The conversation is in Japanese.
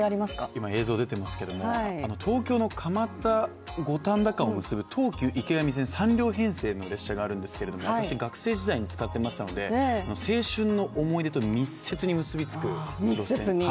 今、映像出ていますけど、東京の蒲田−五反田間を結ぶ東急池上線、３両編成の列車があるんですけれども私、学生時代に使っていましたので青春の思い出と密接に結び付く路線ですね。